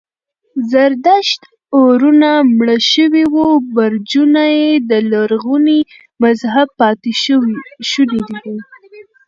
زردشت اورونه مړه شوي وو، برجونه یې د لرغوني مذهب پاتې شوني و.